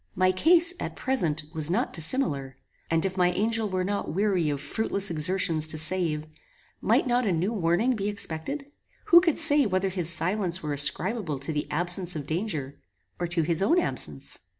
My case, at present, was not dissimilar; and, if my angel were not weary of fruitless exertions to save, might not a new warning be expected? Who could say whether his silence were ascribable to the absence of danger, or to his own absence?